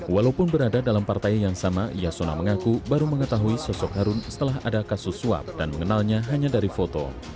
walaupun berada dalam partai yang sama yasona mengaku baru mengetahui sosok harun setelah ada kasus suap dan mengenalnya hanya dari foto